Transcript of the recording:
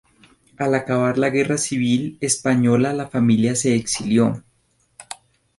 Al acabar la Guerra Civil Española la familia se exilió.